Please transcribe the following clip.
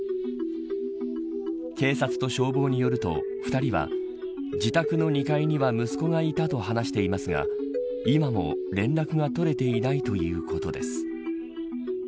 警察と消防によると２人は自宅の２階には息子がいたと話していますが今も連絡が取れていないということです。